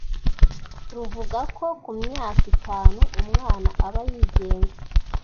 ruvuga ko ku myaka itanu umwana aba yigenga